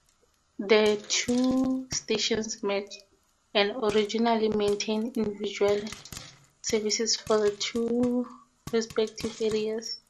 The two stations merged and originally maintained individual services for the two respective areas.